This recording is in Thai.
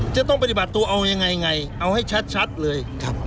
จะต้องปฏิบัติตัวเอายังไงไงเอาให้ชัดเลย